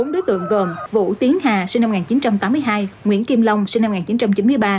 bốn đối tượng gồm vũ tiến hà sinh năm một nghìn chín trăm tám mươi hai nguyễn kim long sinh năm một nghìn chín trăm chín mươi ba